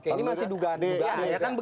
ini masih dugaan